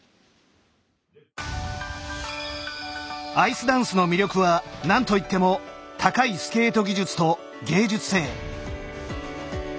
アイスダンスの魅力はなんといっても高いスケート技術と芸術性。